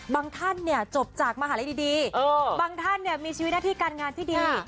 ท่านเนี่ยจบจากมหาลัยดีบางท่านเนี่ยมีชีวิตหน้าที่การงานที่ดี